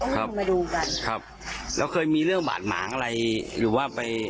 เข้ามาดูกันครับแล้วเคยมีเรื่องบาดหมางอะไรหรือว่าไป